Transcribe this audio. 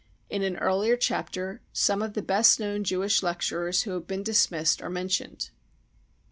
In an earlier chapter some of the best known Jewish lecturers who have been dismissed are mentioned.